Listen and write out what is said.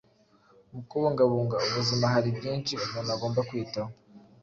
Mu kubungabunga ubuzima hari byinshi umuntu agomba kwitaho